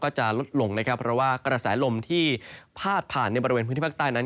จะลดลงนะครับเพราะว่ากระแสลมที่พาดผ่านในบริเวณพื้นที่ภาคใต้นั้น